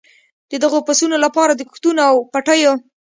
د دغو پسونو لپاره د کښتونو او پټیو.